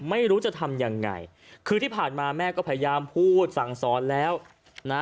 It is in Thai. ไม่รู้จะทำยังไงคือที่ผ่านมาแม่ก็พยายามพูดสั่งสอนแล้วนะ